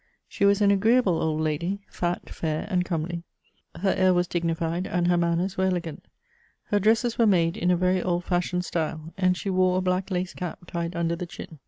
She was an agreeahle old lady, fat, Mr and comely ; her air was dignified and her manners were elegant. Her dresses were made in a very old fashioned style, and she wore a hlack lace cap tied under the chin.